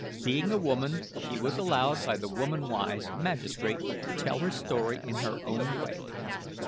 Being a woman, she was allowed by the woman wise magistrate to tell her story in her own way.